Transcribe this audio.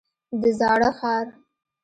د زاړه ښار.